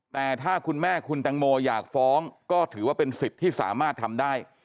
แต่ถ้าคุณแม่คุณตังโมอยากฟ้องก็ถือว่าเป็นสิทธิ์ที่สามารถทำได้